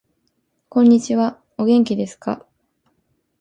こんにちは。お元気ですか。